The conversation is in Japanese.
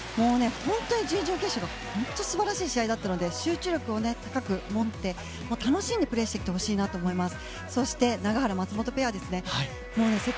本当に準々決勝が素晴らしい試合だったので集中力を高く持って楽しんでプレーしてほしいと思います。